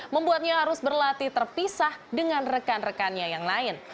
membuatnya harus berlatih terpisah dengan rekan rekannya yang lain